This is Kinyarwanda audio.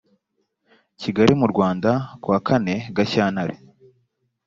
kigali mu rwanda kuwa kane gashyantare